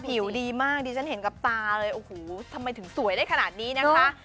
ผิวดีมากดิฉันเห็นกับตาเลยโอ้โหทำไมถึงสวยได้ขนาดนี้นะคะ